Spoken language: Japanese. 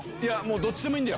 どっちでもいいんだよ。